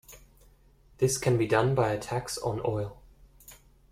This can be done by a tax on oil.